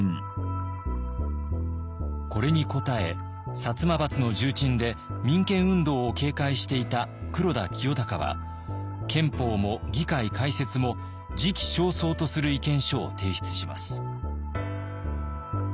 これに応え摩閥の重鎮で民権運動を警戒していた黒田清隆は憲法も議会開設も時期尚早とする意見書を提出します。